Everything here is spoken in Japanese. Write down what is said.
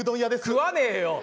食わねえよ。